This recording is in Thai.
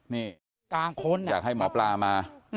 นี่อยากให้หมอปลามา